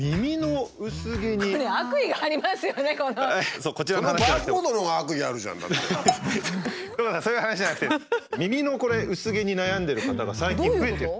そういう話じゃなくて耳のこれ薄毛に悩んでる方が最近増えてる。